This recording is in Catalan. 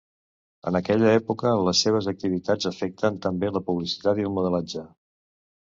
En aquella època, les seves activitats afecten també la publicitat i el modelatge.